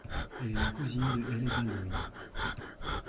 Elle est la cousine de Hailey Baldwin.